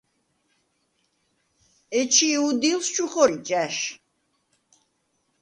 ეჩი̄ უდილს ჩუ ხორი ჭა̈შ.